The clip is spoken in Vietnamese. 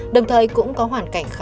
đồng thời cũng có hoàn cảnh khác